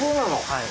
はい。